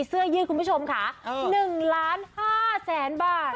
เสื้อยืดคุณผู้ชมค่ะ๑ล้าน๕แสนบาท